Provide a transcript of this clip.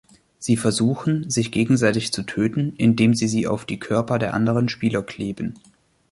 Sie versuchen, sich gegenseitig zu töten, indem sie sie auf die Körper der anderen Spieler kleben.